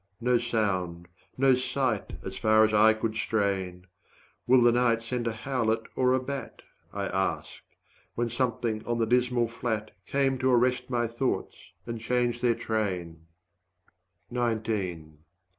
No sound, no sight as far as eye could strain. 105 Will the night send a howlet or a bat? I asked; when something on the dismal flat Came to arrest my thoughts and change their train.